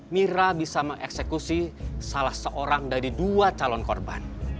mira bisa mengeksekusi salah seorang dari dua calon korban